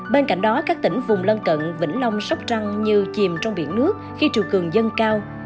bên cạnh đó các tỉnh vùng lân cận vĩnh long sóc trăng như chìm trong biển nước khi triều cường dân cao